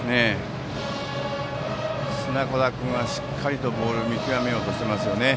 砂子田君はしっかりボールを見極めようとしていますね。